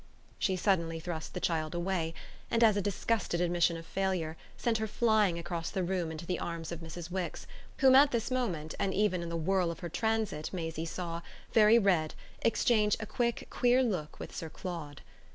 She suddenly thrust the child away and, as a disgusted admission of failure, sent her flying across the room into the arms of Mrs. Wix, whom at this moment and even in the whirl of her transit Maisie saw, very red, exchange a quick queer look with Sir Claude.